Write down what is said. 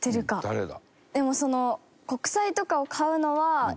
誰だ？